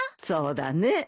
そうだね。